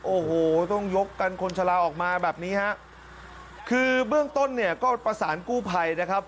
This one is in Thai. โอ้โหต้องยกกันคนชะลาออกมาแบบนี้ฮะคือเบื้องต้นเนี่ยก็ประสานกู้ภัยนะครับ